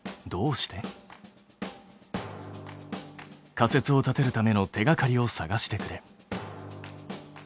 仮説を立てるための手がかりを探してくれ。